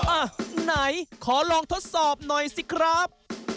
อ่ะไหนขอลองทดสอบหน่อยสิครับ